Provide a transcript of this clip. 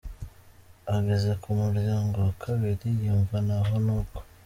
Ageze ku muryango wa kabiri yumva na ho ni uko.